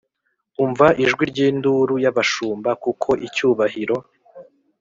Umva ijwi ry induru y abashumba kuko icyubahiro